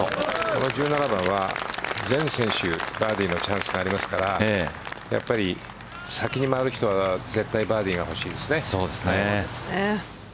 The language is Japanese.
この１７番は全選手バーディーのチャンスがありますからやっぱり先に回る人は絶対バーディーが欲しいですね。